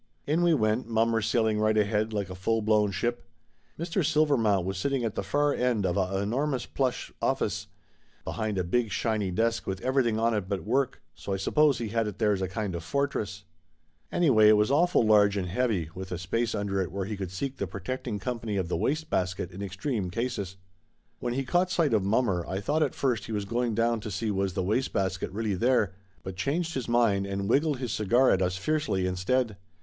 In we went, mommer sailing right ahead like a full blown ship. Mr. Silvermount was sitting at the far end of a enormous plush office, behind a big shiny desk with everything on it but work, so I suppose he had it there as a kind of fortress. Anyway it was awful large Laughter Limited 187 and heavy, with a space under it where he could seek the protecting company of the wastebasket in extreme cases. When he caught sight of mommer I thought at first he was going down to see was the wastebasket really there, but changed his mind and wiggled his cigar at us fiercely, instead.